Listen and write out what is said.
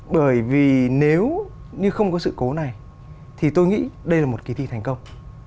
bởi vì nếu như không có sự cố này thì tôi nghĩ đây là một kỳ thi thành công